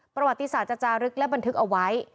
ประวัติศาสตร์จะจารึกและบันทึกเอาไว้